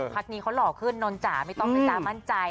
พักนี้เขาหล่อขึ้นนนจ๋าไม่ต้องไปจ้ามั่นใจ